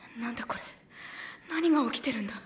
これ何が起きてるんだ？